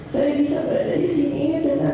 saya bisa berada disini dengan